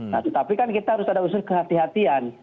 nah tetapi kan kita harus ada unsur kehatian